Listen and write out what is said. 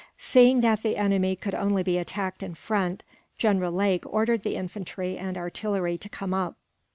Seeing that the enemy could only be attacked in front, General Lake ordered the infantry and artillery to come up.